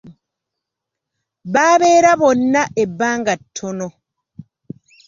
Baabeera bonna ebbanga ttono.